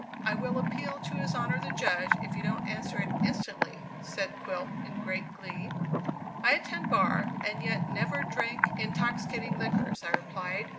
"I will appeal to his honor the judge, if you don't answer it instantly," said Quilp in great glee. "I attend bar, and yet never drink intoxicating liquors," I replied.